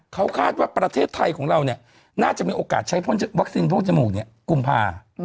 เขาคาดว่าประเทศไทยของเราเนี่ยน่าจะมีโอกาสใช้วัคซินพ่นจมูกเนี่ยกุมภา